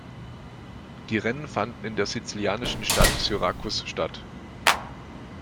Die Rennen fanden in der sizilianischen Stadt Syrakus statt.